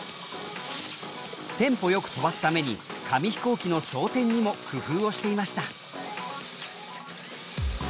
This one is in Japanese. テンポよく飛ばすために紙飛行機の装填にも工夫をしていました。